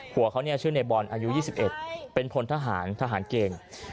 หัวเขาชื่อในบอลอายุ๒๑เป็นพลทหารทหารเกณฑ์